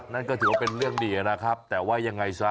นั่นก็ถือว่าเป็นเรื่องดีนะครับแต่ว่ายังไงซะ